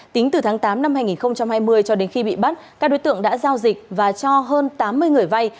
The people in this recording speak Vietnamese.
tính từ tháng tám năm hai nghìn hai mươi cho đến khi bị bắt các đối tượng đã giao dịch và cho hơn tám mươi người vay